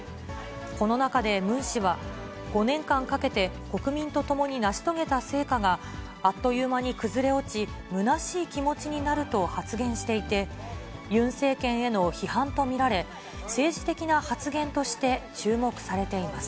この中でムン氏は、５年間かけて国民と共に成し遂げた成果が、あっという間に崩れ落ち、むなしい気持ちになると発言していて、ユン政権への批判と見られ、政治的な発言として注目されています。